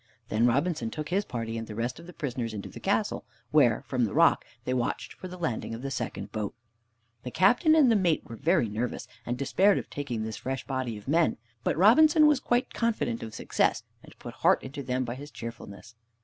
Then Robinson took his party and the rest of the prisoners into the castle, where, from the rock, they watched for the landing of the second boat. The Captain and mate were very nervous, and despaired of taking this fresh body of men, but Robinson was quite confident of success, and put heart into them by his cheerfulness.